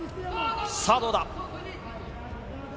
さあどうだ。